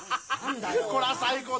これは最高だ。